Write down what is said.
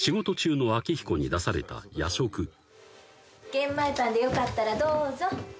「玄米パンでよかったらどうぞ」